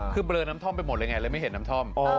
คือเบลอน้ำท่อมไปหมดเลยไงเลยไม่เห็นน้ำท่อม